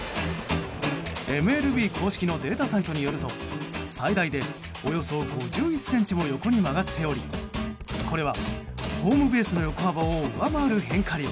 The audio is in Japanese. ＭＬＢ公式のデータサイトによると最大でおよそ５１ｃｍも横に曲がっておりこれは、ホームベースの横幅を上回る変化量。